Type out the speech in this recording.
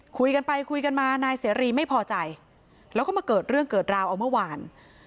คุยกันไปคุยกันมานายเสรีไม่พอใจแล้วก็มาเกิดเรื่องเกิดราวเอาเมื่อวาน